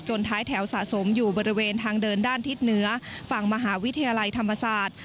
ท้ายแถวสะสมอยู่บริเวณทางเดินด้านทิศเหนือฝั่งมหาวิทยาลัยธรรมศาสตร์